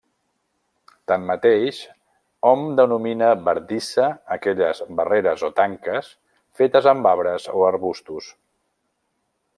Tanmateix hom denomina bardissa aquelles barreres o tanques fetes amb arbres o arbustos.